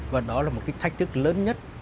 và đó là một cái thách thức lớn nhất